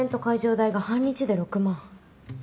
代が半日で６万。